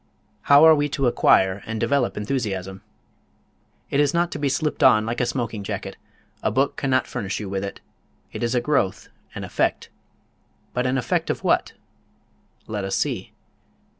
How are We to Acquire and Develop Enthusiasm? It is not to be slipped on like a smoking jacket. A book cannot furnish you with it. It is a growth an effect. But an effect of what? Let us see.